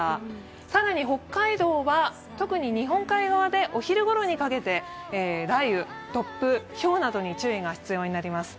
更に北海道は特に日本海側でお昼ごろにかけて雷雨、突風、ひょうなどに注意が必要になります。